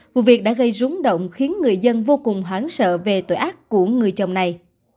vụ việc đã gây rúng động khiến người dân vô cùng hoảng sợ về tội ác của người chồng này